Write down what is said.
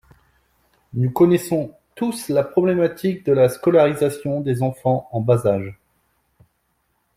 Nous connaissons tous la problématique de la scolarisation des enfants en bas âge.